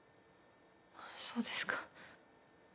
そうですか。